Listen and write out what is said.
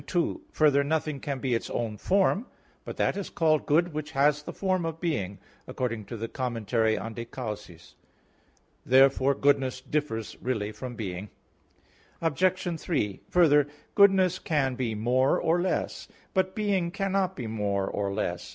2: Further, nothing can be its own form. "But that is called good which has the form of being," according to the commentary on De Causis. Therefore goodness differs really from being. Obj. 3: Further, goodness can be more or less. But being cannot be more or less.